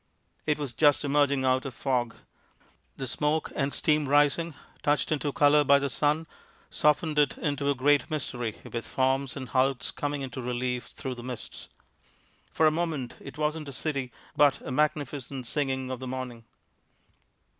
It was just emerging out of fog. The smoke and steam rising, touched into color by the sun, softened it into a great mystery with forms and hulks coming into relief through the mists. For a moment it wasn't a city but a magnificent singing of the morning.